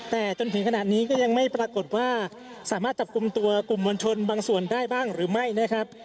แต่จนถึงขนาดนี้ก็ยังไม่ปรากฏว่าสามารถจับกลุ่มตัวกลุ่มมวลชนบางส่วนได้บ้างหรือไม่นะครับ